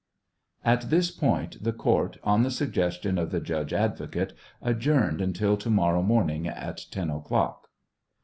(At this point, the court, on the suggestion of the judge advocate, adjourned until to morrow morning at 10 o'clock.)